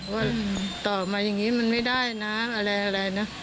ว่าตอบมาอย่างนี้มันไม่ได้นะอะไรนะ